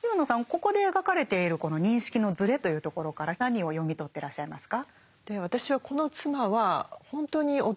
ここで描かれているこの認識のずれというところから何を読み取ってらっしゃいますか？